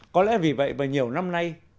có lẽ vì vậy và nhiều năm nay